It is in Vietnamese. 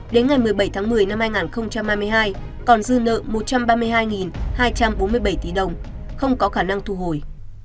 đến ngày một mươi bảy tháng một mươi năm hai nghìn hai mươi hai còn dư nợ một trăm ba mươi hai hai trăm bốn mươi bảy tỷ đồng không có khả năng thu hồi